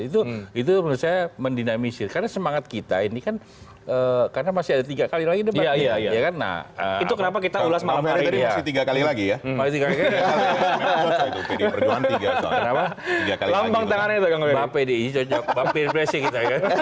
itu itu star mendinamisi semangat kita ini kanactly lagi karena itu kenapa kita tres forsked